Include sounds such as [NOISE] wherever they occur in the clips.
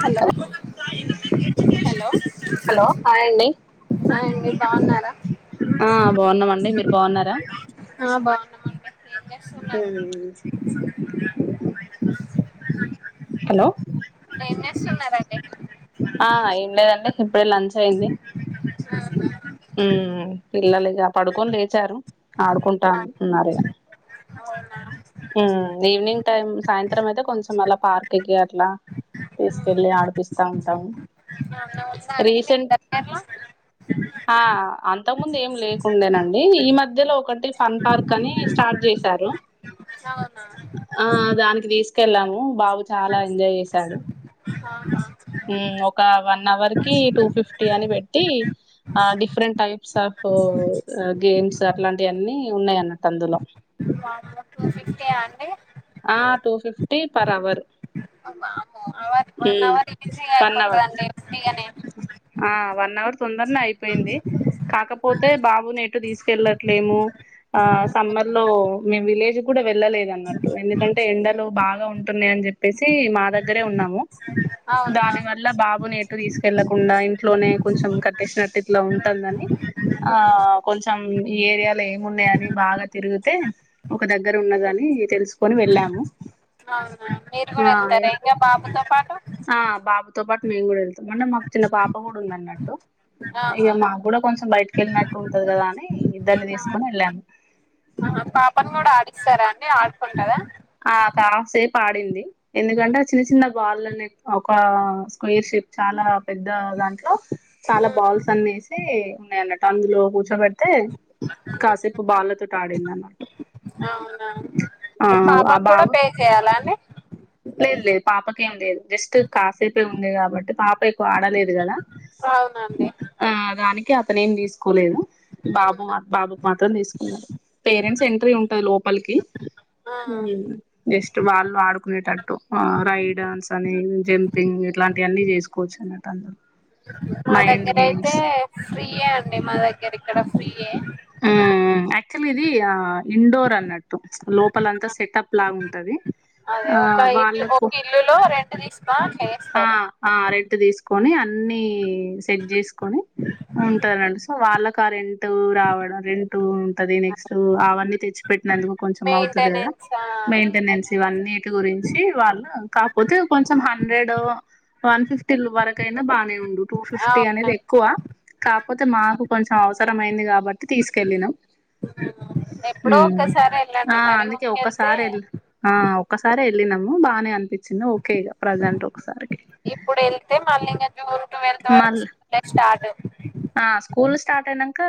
Hello hello hello hi అండి hi మీరు బావున్నారా ఆ బావున్నమండి మీరు బావున్నారా ఆ బావున్నమండి ఊ [UNINTELLIGIBLE] హలో ఇప్పుడు ఏం చేస్తున్నారని ఆ ఏం లేదండి ఇప్పుడే లంచ్ అయింది అవునా ఉమ్ పిల్లలుగా పడుకొని లేచారు ఆడుకుంటా ఉన్నారు అవునా ఉమ్ ఈవినింగ్ టై సాయంత్రం అయితే కొంచెం అలా పార్క్ కి అట్లా తీసుకెళ్ళి ఆడిపిస్తా ఉంటాము ఏమన్నా ఉందా అండి మీకు రీసెంట్ దగ్గరలో ఆ అంత ముందు ఏం లేకుండడానండి ఈ మధ్యలో ఒకటి ఫన్ పార్క్ అని స్టార్ట్ చేశారు అవునా ఆ దానికి కెళ్ళాము బాబు చాలా ఎంజాయ్ చేసాడు ఆ హా హుమ్ ఒక వన్ అవర్ కి టూ ఫిఫ్టీ అని పెట్టి ఆ డిఫరెంట్ టైప్స్ ఆఫ్ గేమ్స్ అట్లాంటి అన్నిీ ఇవి ఉన్నాయన్న వామ్మో టూ ఫిఫ్టీయా అండి ఆ టూ ఫిఫటీ పర్ అవర్ అమ్మో వన్ ఉమ్ అవర్ ఈజీ గా వన్ అవర్ అయిపోతుదండి ఉత్తిగానే ఆ వన్ అవర్ తొందరనే అయిపోయింది కాకపోతే బాబుని ఎటు తీసుకెళ్ళట్లేము ఆ స సమ్మర్ లో మేం విలేజ్ కూడా వెళ్ళలేదన్నట్టు ఎందుకంటే ఎండలు బాగా ఉంటున్నా అని చెప్పేసి మా దగ్గరే ఉన్నాము అవునా దాని వల్ల బాబుని ఎటు తీస్ వెళ్లకుండా ఇంట్లోనే కొంచెం కట్టేసినట్టు ఇట్లా ఉంటుందని ఆ ఉమ్, కొంచం ఉమ్ ఈ ఏరియా ఏమున్నాయని బాగా తిరిగితే ఒక దగ్గర ఉన్నదని తెలుసుకొని వెళ్ళాము అవునా మీరు కూడా వెళ్తారా ఇంకా బాబుతో పాటు ఆ బాబుతో తో పాటు మేం కూ మన మాకు చిన్న పాప కూడా ఉంది అన్నట్టు ఇక ఆహా మాకు కూడా కొంచెం బయటకి వెళ్ళినట్టు ఉంటది కదా అని ఇద్దరిని తీసుకొని వెళ్ళాము ఆహా పాపను కూడా ఆడిస్తారా అండి ఆడుకుంటదా ఆ కాసేపు ఆడింది ఎందుకంటే చిన్న చిన్న వాళ్ళని ఒక స్క్వేర్ షేప్ చాలా పెద్ద దాని లో చాలా బాల్స్ అన్నిసి ఉన్నాయన్నట్టు తందులో కూర్చో పెట్ అయితే కాసేపు బళ్ళతోటి ఆడింది అనమాట అవునా ఆ పాపకు కూడా బాబు పే చేయాలా అండి లేదు లేదు పాపకేం లేదు జస్ట్ కాసేపె ఉంది కాబట్టి పాప ఆడలేదు కదా అవునండి ఆ దాని అతను ఏం తీసుకోలేదు బాబు బాబుకి మాత్రం తీసుకున్నారు పేరెంట్స్ ఎంట్రీ ఉంటది లోపలికి ఆ జస్ట్ వాళ్ళు ఆడుకునేటట్టు రైడన్స్ అని జంపింగ్ ఇట్లాంటి అన్నీ చేసుకోవచ్చు అన్నట్టు తందు మా దగ్గర అయితే ఫ్రీయే అండి మా దగ్గర ఇక్కడ ఫ్రీయ అ యాక్టుల్ల్య్ ఇది ఆ ఇండోర్ అన్నట్టు లోపలంతా సెటప్ లాగుంటంది అదే ఆ ఒక ఇల్లు వాళ్ళకు ఒక ఇల్లులో రెంట్ తీసుకొని అట్లా ఆ ఏస్తారు ఆ ఇ [UNINTELLIGIBLE] తీసుకొని అన్నిీ సెట్ చేసుకోని ఉంటారండి సో వాళ్ళ కరెంట్ టూ రావడం రెంట్ ఉంటాది నెక్స్ట్ అవి అన్ని తెచ్చిపెటినదుకు కొంచం అవుతాది కదా మెయింటెనెన్స్ ఆ మెయింటైన్ మెయింటెనెన్స్ ఇవి అన్నిటి గురించి వాళ్ళు కాకపోతే కొంచం హన్ హండ్రెడ్ వన్ ఫిఫ్టీ వరకయినా బానే ఉండు టూ ఫిఫ్టీ అనేది అవునండి ఎక్కువ కాకపోతే మాకు కొంచెం అవసర [INAUDIBLE] మైందిబ తిసికెళ్లినం ఎప్పుడో హ్మ్ ఒక్కసారి వెళ్ళండి మరి అందుకే ఊరికెళ్తే ఒకసారే వెలి ఆహ్ ఒకసారే వెల్ వెళ్ళినము బానే అనిపించింది ఓకే ఇగ ప్రజెంట్ ఒకసారికి ఇప్పుడు వెళ్తే మళ్ళీ ఇంగ జూన్ ట్వెల్త్ వరకు మళ్ళ స్కూల్ స్టార్ట్ ఆ స్కూల్ స్టార్ట్ అయినాక క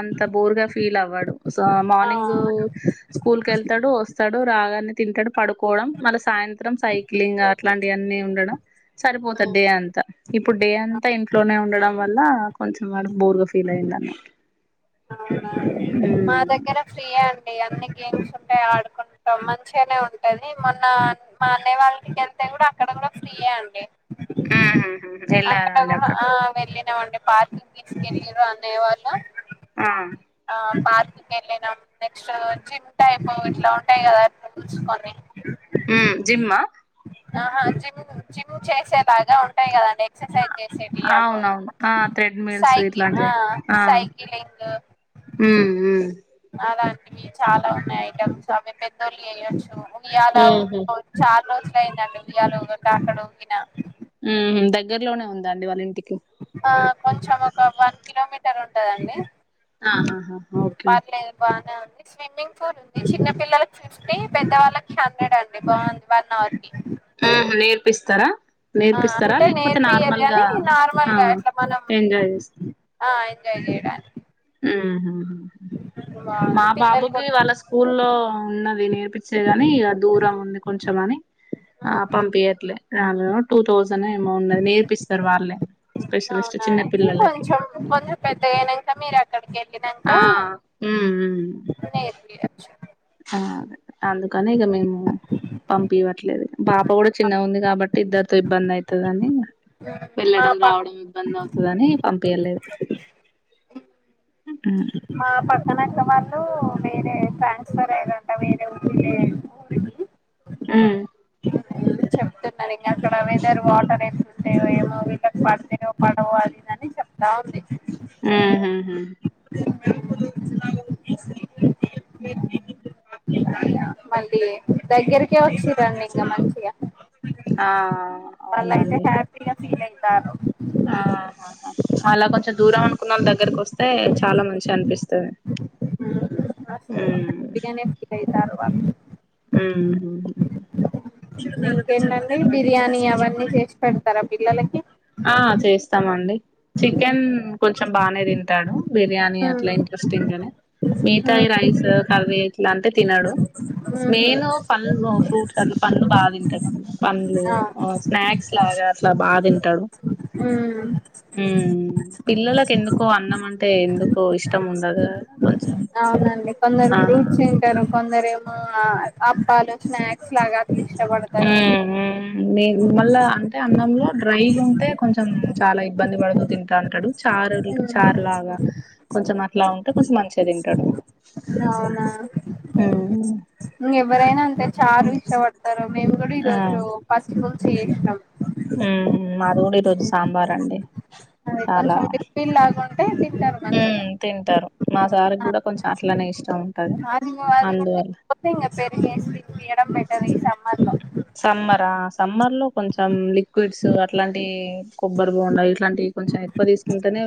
అంత బోర్ గా ఫీల్ అవ్వాడు సో మార్నింగ్ ఆ స్కూల్ కు వెళ్తాడు వస్తాడు రాగానే తింటాడు పడుకోవడం మళ్ళ సాయంత్రం సాయంత్రం సైక్లింగ్ అట్లాంటి అన్నీ ఉండడం సరిపోతుంది డే అంతా ఇప్పుడు డే అంతా ఇంట్లోనే ఉండడం వల్ల కొంచెం మడం బోర్గా ఫీల్ అయిందన్నా మా దగ్గర ఫ్రీయే అ అన్ని గేమ్స్ ఉంటాయి ఆడుకుంటాం మంచిగానే ఉంటది మొన్న మా అన్నయ వాళ్ళ ఇంటికి వెళ్తే కూడా అక్కడ కూడా ఫ్రీయే అండి ఉమ్ హు వెళ్ళారాండి అక్కడ పార్కింగ్ తీసుకెళ్ళిరు అన్నయ్య వాళ్ళు ఆ పార్క్కి వెళ్ళినం నెక్స్ట్ జిమ్ టైప్ ఇట్లా ఉంటాయి కదా చసుకొని ఉ జిమ్ ఆ ఆహా జిమ్ జిమ్ చేసేలాగా ఉంటాయి కదండి ఎససైజ్ చేసేవి అవి అవునవును ఇవో ఆ థ్రెడ్ మిల్స్ సైకిల్ ఇట్లాంటివి ఆ సైక్లింగ్ ఉమ్, ఉమ్. అలాంటివి చాలా ఉన్నాయి ఐటమ్స్ అవి పెద్దోళ్ళు చేయొచ్చు ఉయ్యాలా ఉమ్హు. ఉగ చాలా రోజులు అయ్యిందండి ఉయ్యాలా ఉగాక గక్కడ ఉకిన ఉమ్ దగ్గరలోనే ఉందాండి వాళ్ళ ఇంటికి ఆ కొంచం ఒక వన్ కిలోమీటర్ ఉంటదండి ఆహా ఓకే పర్లేదు బానే స్విమ్మింగ్ పూల్ ఉంది చిన్న పిల్లలకి ఫిఫ్టీ పెద్దవాళ్ళకి హండ్రెడ్ అండి బాగుంది వన్ అవర్ కి ప్పిస్తారా ఆ అంటే నేర్పియరు కాగానీ ఆ నార్మల్గా అట్లా మనం ఎంజాయ్ చేస్త ఆ ఎంజాయ్ చేయడానికి మా బాగుంది పిల్లలు కొ బాబుకి వాళ్ళ స్కూల్లో ఉన్న వినయం పప్పించే గాని ఇక దూరం ఉంది కొంచం అని ఆ పంపియట్లే ర టూ థౌసండ్ ఏమో ఉన్నది నేర్పిస్తారు వాళ్ళే స్పెషలిస్ట్ అవునా చిన్న అయితే పిల్లలకి కొంచెం కొెంచం పెద్దగాయ్యిన్నాక మీరు అక్కడికి ఆ ఎళ్ళిన్నాక మ్మ్ మ్మ్ నేర్పియొచ్చు ఆ అందుకనే ఇగా మేమ్ పంపివ్వట్లేదు పాప కూడా చిన్న ఉంది కాబట్టి బట్ ఇద్దర్తో ఇబ్బంది అయితదని మా వెళ్ళడం ప రావడం ఇబ్బంది అవుతదని పం తిర్ లేదు మా పక్కన అక్కవాళ్ళు వేరే ట్రాన్స్ఫర్ అయ్యేది ఉంటది ఆ చెప్తున్నాను ఇంకా అక్కడ వెదర్ వాటర్ ఎంటాయో ఏమో విదర్ పడతాయో పడవ అది ఇది అని చెప్తా ఉంది ఆహా హ అ మళ్ళీ దగ్గరికే వచ్చరండి ఇంకా మంచిగా ఆ అవునండి నేను త్యాను ఆ అలా కొంచెం దూరం అనుకున్న వాళ దగ్గరకు వస్తే అదే చాలా మంచి అనిపిస్తుంది మస్తు ఉమ్.. హ్యాపీగానే ఫీల్ అయితారు వాళ్ళు ఉమ్.. పిల్లలకి ఏండాన్డీ బిర్యానీ అవన్నీ చేసి పెడతారా పిల్లలకి ఆ చేస్తామండి చికెన్ కొంచెం బాగానే తింటాడు బిర్యానీ అట్లా ఉహు ఇంట్రెస్టింగ్ గానే మిగితాయి రైస్ కర్రీ ఇట్లా అంటే తిినడు మెయిన్ పంలు ఫ్రూట్స్ అట్లా పంలు బాగా తింటాడుడి పంలు ఆ స్నాక్స్ లాగా అట్లా బాగా తింటాడు ఉమ్ ఉమ్ పిల్లలకు ఎందుకు అన్నం అంటే ఎందుకు ఇష్టం ఉండదుా కొంచెం అవునండి ఆ మో అబ్బాలో స్నాక్స్ లాగా ఇష్టపడతారు ఉమ్ ఉమ్ నే మళ్ళా అంటే అన్నంలో డ్రైగా ఉంటే కొంచెం చాలా ఇబ్బంది పడుతూ తింటాంటాడు చారు చారులాగా కొంచెం అట్లా ఉంటే కొంచెం మంచిగా తింటాడు అవునా ఇంకెవరైనా అంతే చారు ఇష వాడతారు ఆ [UNINTELLIGIBLE] ఫుల్ చే ఇష్టం ఉహు మాదికూడా ఈ రోజు సాంబార్ అండి అది చాలా కొంచెం లిక్విడ్ లాగా ఉంటే తింటారు ఉ మంచిగా తింటారు మా సారికి కూడా కొంచెం అట్లనే ఇష్టం ఉంటది అది అది కూడా అందువల్ల తినకపోతే ఇంకా పెరుగేసి తినిపియడం బెటర్ ఈ సమ్మర్ లో సమ్మరా సమ్మర్ లో కొంచెం లిక్విడ్స్ అట్లాంటియి కొబ్బరి బోంండ ఇట్లాంటివి కొంచెం ఎక్కువ తీసుకుంటేనే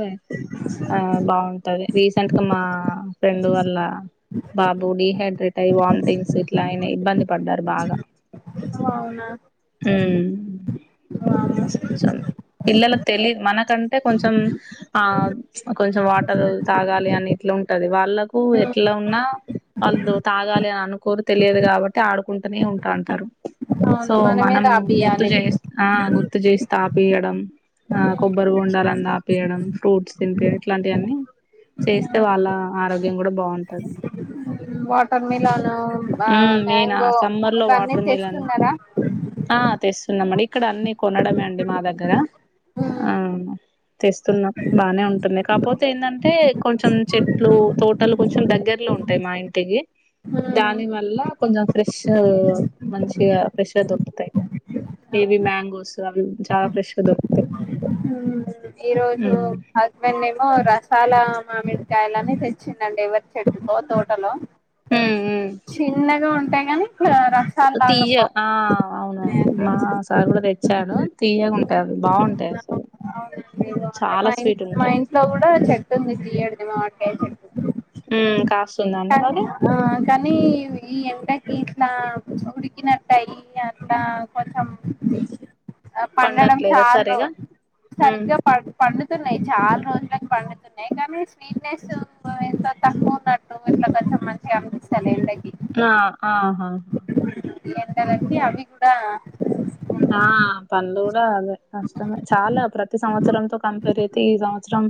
ఆ బాగుంటది రీసెంట్ గా మా ఫ్రెండ్ వల్ల బాబు డీహైడ్రేట్ అయి వామిటింగ్స్ ఇట్లా అయినా ఇబ్బంది పడ్డారు బాగా అవునా ఉమ్ అ మన కండ్ అంటే కొంచెం ఆ కొంచెం వాటర్ తాగాలి అన్నిట్లా ఉంటది వాళ్ళలకు ఎట్లా ఉన్నా వాళ్ళు తాగాలి అని అనుకోరు తెలియదు కాబట్టి ఆడుకుంటూనే ఉంటా ఉంటారు సో అవును మనమే మనం గుర్తు తాపియాలి చేసి ఆ గుర్తు చేసి తాపీయడం ఆ కొబ్బరి బొండలుని తాపీయడం ఫ్రూట్స్ తిన్పి ఇట్లాంటి అన్నీ చేస్తే వాళ్ళ ఆరోగ్యం కూడ బాగుంటది వాటర్ మిలాన్ మ్మ్ నేనా మాంగో సమ్మర్ లో ఇంగన్నీ వాటర్ మిలన్ తెస్తున్నరా క్కడ అన్నీ కొనడమే అండి మా దగ్గర ఆ ఉమ్, తెస్తున్నా బాగానే ఉంటుంది, కాపోతే ఏందంటే కొంచెం చెట్లు, తోటలు కొంచెం దగ్గర్లో ఉంటాయి మా ఇంటికి. ఉమ్, దాని వల్ల కొంచెం ఫ్రెష్ మంచిగా ఫ్రెష్ గా దొరుకుతాయి ఏబి మ్యాంగోస్ అవి చాలా ఫ్రెష్ అగా దొరుకుతాయి్ మ్మ్ ఈ రోజు హస్బెండ్ ఏమో రసాలా మామిడికాయలని తెచ్చిందండి ఎవరి చెట్టుకో తోటలో చిన్నగ ఉంట టై గానీ తీయ్యగ ఆ అవునవును బాగున్నాయండి మా సార్ కూడ తెచ్చాడు, తీయ్యగుంటయి అ బాగుంటాయి అసలు. అవునండి ఏదో అంటరు చాలా మా స్వీట్ మా ఉంటాయి ఇంట్లో కూడ చెట్టుంది తీయ్యటిది మా ఎ కాస్తుందండి కని మరి ఆ కానీ ఈ ఎండ ఇట్లా ఉడికినట్టాయి అట్లా కొంచం ఆ పండడం పండట్లేదా చాలు సరిగా ఉమ్ సరిగ్గా ప పండుతున్నాయి చాల రోజులకు పండుతున్నాయి కానీ, స్వీట్నెస్ ఎంత తక్కువ ఉన్నట్టు ఇట్ల కొంచెం మంచిగ అనిపిస్తలేదు. లైక్ ఆ ఆ హా హా ఈ ఎండలకి సరే అవి కూడా ఆ పండ్లు కూ డా అదే కష్టమే చాలా ప్రతి సంవత్సరంతో కంపేర్ చేత్తే ఈ సంవత్సరం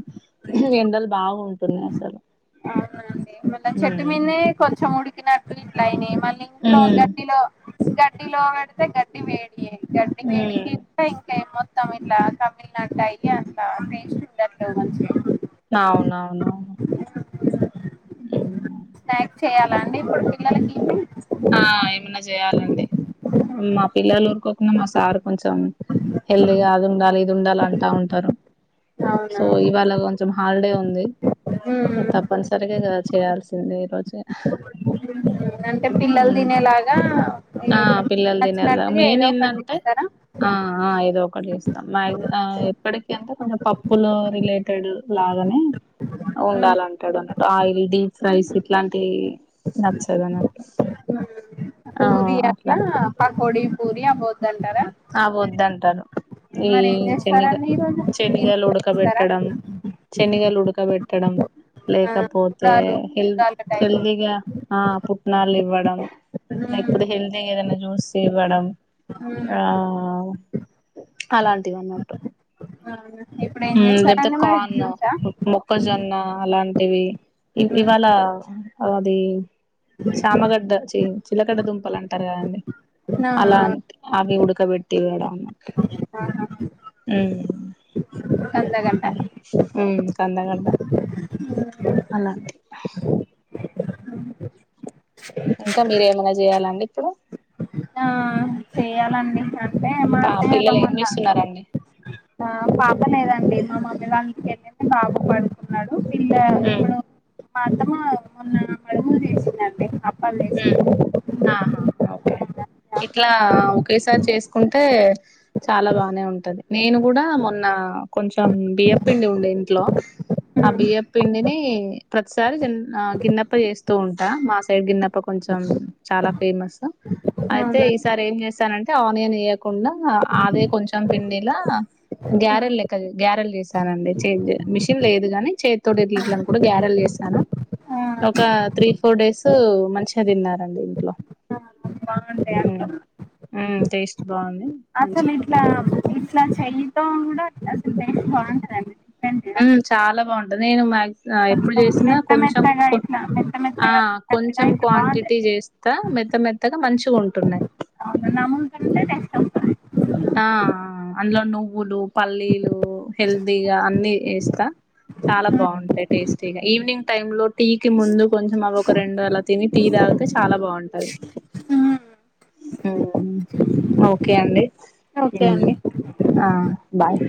ఎండలు బాగ ఉ అవునండి మళ్ల చెట్టు ఉమ్ మీన్నే కొంచెం ఉడికినట్టు ఇట్ల అయినై, మళ్ళీ ఇంట్లో ఉమ్ గడ్డిలో గడ్డిలో బెడితే గడ్డి వే డే గడ్డి వేడికి ఉమ్ ఇంక ఇంక మొ మొత్తం ఇట్లా కమిలినట్టు అయ్యి అట్లా టేస్ట్ ఉండట్లేదు మంచిగ అవునా అన్న హ్మ్ చెయాల అండి ఇప్పుడు పిల్లలకి ఆ ఏమన్నా జేయాలండి మా పిల్లలకు నా మా సారు కొంచెం. హెల్దీగా అది ఉండాలి దుండాలంటా అంటారు. అవునా సో ఇవాళ గొంచెం హల్డే ఉంది. ఉమ్. తప్పనిసరిగేగా చేయాల్సింది ఏందంటే పి హూ ఆ పిల్లల్ దిన్నల్లా నచ్చినట్టుగా మెయిన్ ఏదో ఒకటి ఎందంటే. ఇస్తారా ఆ ఆ ఏదో ఒకటి జేస్తాం. మయిన్ ఆ ఎప్పటిక అంటే కొంచం పప్పులు రిలేటెడ్ లాగానే ఉమ్. ఉండాలంటడు అన్నట్టు ఆయిల్ డీప్ ఫ్రైస్ ఇట్లాంటియి నాచ్చదన్నట్టు హ్మ్ పూరి అట్లా పక్ కోడి పూరియా బోత్ అవోధంటరు. ఈ మరి ఏం చేనిగ చేస్తారండి ఈరోజు చేనిగలు ఇస్తారా ఉడకబెట్టడం. చేనిగలు ఉడకబెట్టడం. ఆ లేకపోతే గుడాలు హెల్ గుడాల టైప్ హెల్దీగా ఆ పుట్నాలు ఇవ్వడం. మ్మ్ లేకపోతే హెల్దీగా ఏదనా జ్యూస్ జె వడం మ్మ్ ఆ అలాంటివి అన్నట్టు అవున హ్ లేపోతే కార్న్ మొక్కజొన్న అలాంటి టివి ఇ ఈ వన్ఇవాళ మ్మ్ అది చామగడ్డ చే చిలకడ్డ దుంపలాంటారు కదండి ఆ అలా అంత్ అవి ఉడుక్ క్క బేట్టీ ఇవ్వడం ఆహా మ్ కందగడ్డ కందగడ్డ అలాంటీ ఇంకా మీరేమన్న జేయాలండీ ఇప్పుడు ఆ చేయాలండీ హ్ అంటే మా పా అత్తయ్య పిల్లలు ఏం రమ్మన్నా. చేస్తున్నారండి ఆహ్ పాప లేదండీ మా మామ్ దివాన్ కేసేస్తే బాబు పడుకున్నాడు పిల్లా ఎక్క ఉమ్ డో మా అత్తమ్మా మొన్నా కడుములు జేసిందండీ అప్ ఉమ్ ప్పలేసిందండి ఆహా ఓకే [INAUDIBLE] ఇట్లా ఒకేసారి చేస్కుంటే ఉంటే చాలా బానే ఉంటది నేను కూడా మొన్నా కొంచెం టం బియ్యప్పిండీ ఉంది ఇంట్లో ఆ బియ్యప్పిండిని అంటే ప్రతిసారీ జన్ ఆ గిన్నెప్ప చేస్తూ ఉంటా మా సైడ్ గిన్నప్ అప్ప కొంచెం చాలా ఫేమస్సు. అవునా అయితే అవునా ఈసారేంచేసానంట్ ఆనియన్ యేయకుండా ఆవే కొంచం పిండిలా గ్యారెల్ లెక్క గ్యారెల్ చేసానండీ చేంజ్ మిషన్ లేదు గానీ చేత్తోటే ఇట్లిట్ల అని కూడా గ్యారెల్ చేసాను ఆ ఒకా త్రీ ఫోర్ డేస్ మంచి చదివినారండీ ఇంట్లో ఉం ఊమ్ టేస్ట్ బాగుంది మంచిగా ఉంది అసలిట్లా ఇట్లా చెయ్ తోంగ్ డా అసలు టేస్ట్ బావుంటదండీ వూహ్ చాలా బావుంటుంద్ నేనూ మాక్సి ఆహ్ ఎప్పుడు కొంచెం చేసినా మెత్త కొంచెం మెత్తగా కొన్ ఇట్లా మెత్త ఆ మెత్తగా తిన్నట్టుగా కొంచెం ఇట్లా బాగుంటది క్వాంటిటీ చేస్తా మెత్త మెత్తగా మంచీ గుంటున్నాయ్. అవును నములుతుంటే టేస్ట్ వస్తది ఆ ఆ అంద్లో నువ్వులు పల్లీలూ హెల్దీగా అన్నీ యేస్తా చాలా బావుంటాయ్ టేస్టీగా ఈవినింగ్ టైం లో టీ కీ ముందూ కొంచెం అవొక రెండూ అలా తినీ టీ తాగితే చాలా బావుంటది. వుమ్మ్ ఓకే అండీ. ఓకే ఉమ్మ్ అండి ఆ బాయ్